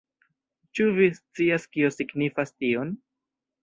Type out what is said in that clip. Ĉu vi scias kio signifas tion?